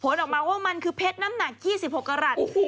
ออกมาว่ามันคือเพชรน้ำหนัก๒๖กรัฐ